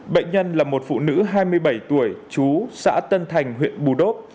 bệnh nhân là một phụ nữ hai mươi bảy tuổi chú xã tân thành huyện bù đốc